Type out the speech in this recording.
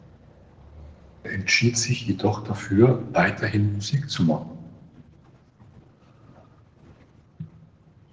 Er entschied sich jedoch dafür, weiterhin Musik zu machen.